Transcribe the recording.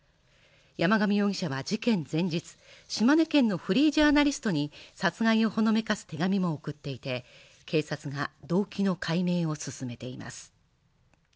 山上容疑者は事件前日、島根県のフリージャーナリストに殺害をほのめかす手紙も送っていて警察が動機の解明を進めています。